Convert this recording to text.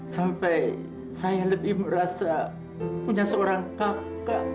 sampai saya lebih merasa punya seorang kakak